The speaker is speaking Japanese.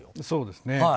そうですね。